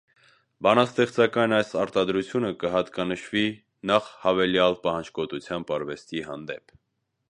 Բանաստեղծական այս արտադրութիւնը կը յատկանշուի՝ նախ յաւելեալ պահանջկոտութեամբ՝ արուեստի հանդէպ։